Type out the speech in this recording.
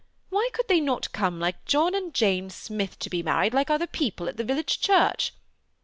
Why could they not come like John and Jane Smith to be married, like other people, at the vil lage church